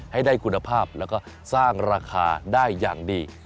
ให้ได้คุณภาพแล้วก็สร้างราคาได้อย่างดี